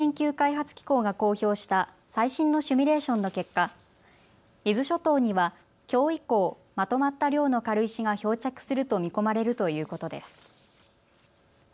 都によりますとＪＡＭＳＴＥＣ・海洋研究開発機構が公表した最新のシミュレーションの結果、伊豆諸島にはきょう以降、まとまった量の軽石が漂着すると見込まれるということです。